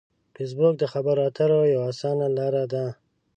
فېسبوک د خبرو اترو یوه اسانه لار ده